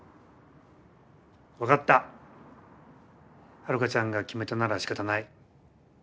ハルカちゃんが決めたならしかたない。